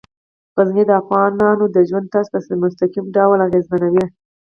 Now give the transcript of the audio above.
غزني د افغانانو د ژوند طرز په مستقیم ډول ډیر اغېزمنوي.